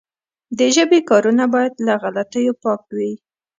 د ژبي کارونه باید له غلطیو پاکه وي.